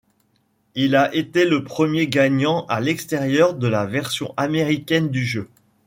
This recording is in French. Il a été le premier gagnant à l'extérieur de la version américaine du jeu.